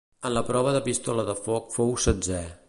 En la prova de pistola de foc fou setzè.